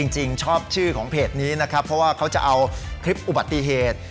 จริงชอบชื่อของเพจนี้นะครับเพราะว่าเขาจะเอาคลิปอุบัติเหตุ